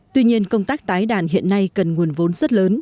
tuy nhiên công tác tái đàn hiện nay cần nguồn vốn rất lớn